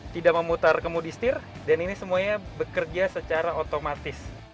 tidak memutar kemuditir dan ini semuanya bekerja secara otomatis